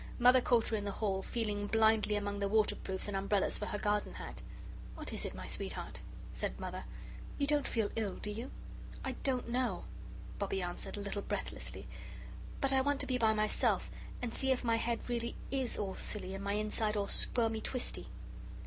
Mother caught her in the hall feeling blindly among the waterproofs and umbrellas for her garden hat. "What is it, my sweetheart?" said Mother. "You don't feel ill, do you?" "I DON'T know," Bobbie answered, a little breathlessly, "but I want to be by myself and see if my head really IS all silly and my inside all squirmy twisty."